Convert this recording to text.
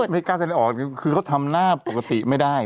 ไม่กล้าแสดงออกคือเขาทำหน้าปกติไม่ได้